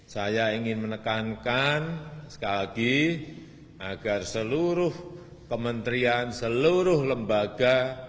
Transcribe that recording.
saya ingin menekankan sekali lagi agar seluruh kementerian seluruh lembaga